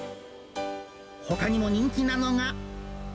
ほかにも人気なのが。